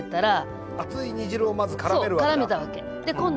熱い煮汁をまずからめるわけだ。